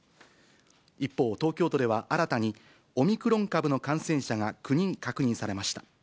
一方、東京都では新たにオミクロン株の感染者が９人確認されました。